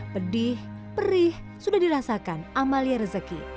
pedih perih sudah dirasakan amalia rezeki